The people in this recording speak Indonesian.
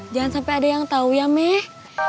jangan sampai ada yang tahu ya meh